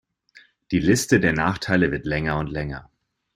Die Liste der Nachteile wird länger und länger.